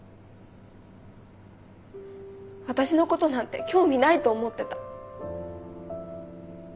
私のことなんて興味ないと思ってた。